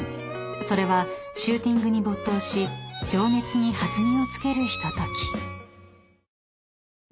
［それはシューティングに没頭し情熱に弾みをつけるひととき］